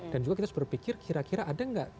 dan juga kita harus berpikir kira kira ada gak